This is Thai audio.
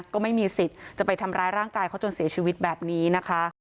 ก็ไม่มีสิทธิ์จะไปทำร้ายร่างกายเขาจนเสียชีวิตแบบนี้นะคะ